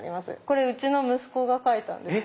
これうちの息子が描いたんです。